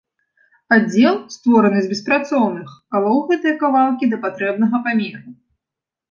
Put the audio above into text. Аддзел, створаны з беспрацоўных, калоў гэтыя кавалкі да патрэбнага памеру.